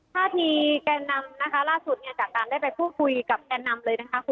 ท่าทีแกนนำนะคะล่าสุดเนี่ยจากการได้ไปพูดคุยกับแกนนำเลยนะคะ